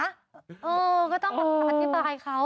เออก็ต้องอธิบายเขา